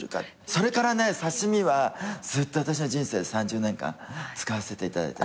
それからね「３４３」はずっと私の人生３０年間使わせていただいてる。